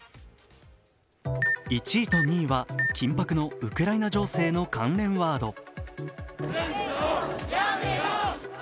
１位と２位は緊迫のウクライナ情勢の関連ワード。